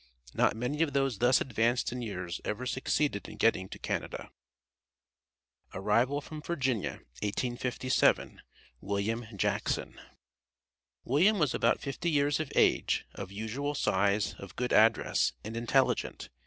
Not many of those thus advanced in years ever succeeded in getting to Canada. ARRIVAL FROM VIRGINIA, 1857. WILLIAM JACKSON. William was about fifty years of age, of usual size, of good address, and intelligent.